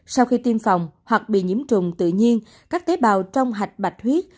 sau khi tiêm phòng hoặc bị nhiễm trùng tự nhiên các tế bào trong hạch bạch bạch huyết